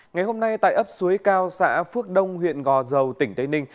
ngày hôm nay tại ấp suối cao xã phước đông huyện gò dầu tỉnh tây ninh